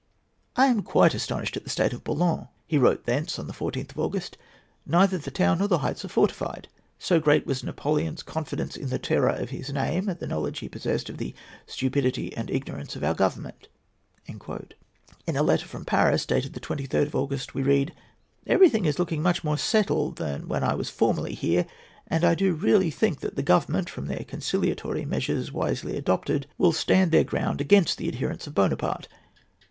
"I am quite astonished at the state of Boulogne," he wrote thence on the 14th of August. "Neither the town nor the heights are fortified; so great was Napoleon's confidence in the terror of his name and the knowledge he possessed of the stupidity and ignorance of our Government." In a letter from Paris, dated the 23rd of August, we read: "Everything is looking much more settled than when I was formerly here, and I do really think that the Government, from the conciliatory measures wisely adopted, will stand their ground against the adherents of Buonaparte.